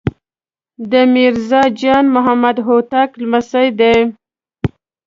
د میرزا جان محمد خان هوتک لمسی دی.